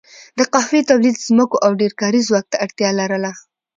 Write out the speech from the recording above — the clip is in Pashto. د قهوې تولید ځمکو او ډېر کاري ځواک ته اړتیا لرله.